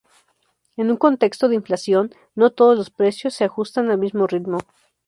En un contexto de inflación, no todos los precios se ajustan al mismo ritmo.